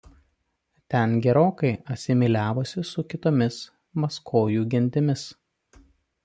Ten gerokai asimiliavosi su kitomis maskojų gentimis.